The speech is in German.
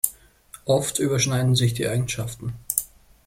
Oft überschneiden sich die Eigenschaften.